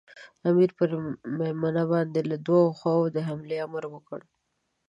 امیر پر مېمنه باندې له دوو خواوو د حملې امر وکړ.